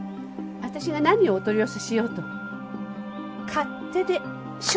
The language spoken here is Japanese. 私が何をお取り寄せしようと勝手でしょ！